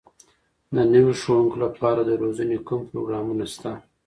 د نویو ښوونکو لپاره د روزنې کوم پروګرامونه سته؟